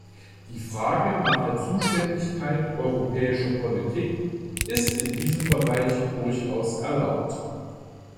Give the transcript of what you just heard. Die Frage nach der Zuständigkeit europäischer Politik ist in diesem Bereich durchaus erlaubt.